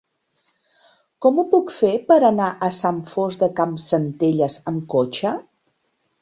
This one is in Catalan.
Com ho puc fer per anar a Sant Fost de Campsentelles amb cotxe?